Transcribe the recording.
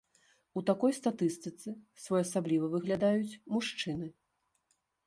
У такой статыстыцы своеасабліва выглядаюць мужчыны.